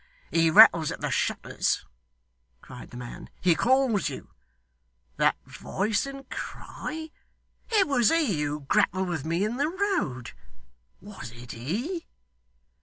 'He rattles at the shutters!' cried the man. 'He calls you. That voice and cry! It was he who grappled with me in the road. Was it he?